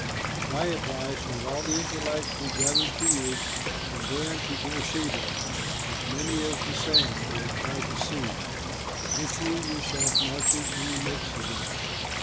But I advise, let all the Israelites be gathered to you, from Dan to Beersheba, as many as the sand that is by the sea, with you yourself marching in the midst of them.